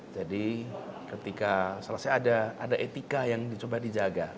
jadi ketika selesai ada etika yang dicoba dijaga